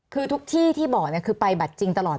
คือทุกที่ที่บอกคือไปบัตรจริงตลอด